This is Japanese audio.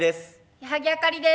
矢作あかりです。